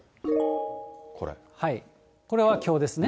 これはきょうですね。